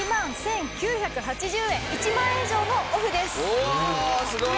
おおすごい！